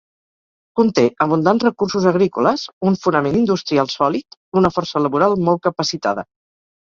Conté abundants recursos agrícoles, un fonament industrial sòlid, una força laboral molt capacitada.